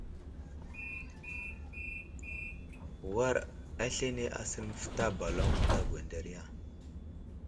War aslane aser məfətay baloŋ ənta gwənderiya.